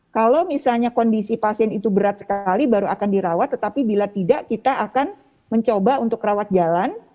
kalau misalnya kondisi pasien itu berat sekali baru akan dirawat tetapi bila tidak kita akan mencoba untuk rawat jalan